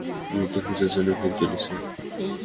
বৃদ্ধ পূজার জন্য ফুল তুলিতেছে।